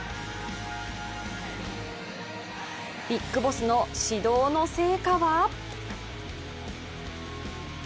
ビッグボスの指導の成果は？